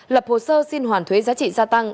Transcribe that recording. lập hồ sơ xin hoàn thuế giá trị gia tăng